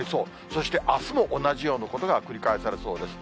そしてあすも同じようなことが繰り返されそうです。